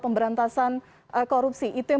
pemberantasan korupsi itu yang